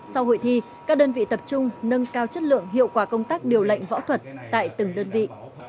sau hội thi các đơn vị tập trung nâng cao chất lượng hiệu quả công tác điều lệnh võ thuật tại từng đơn vị